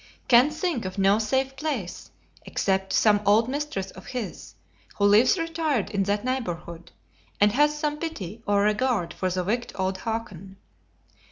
Can think of no safe place, except to some old mistress of his, who lives retired in that neighborhood, and has some pity or regard for the wicked old Hakon.